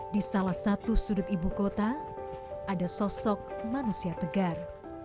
di salah satu sudut ibu kota ada sosok manusia tegar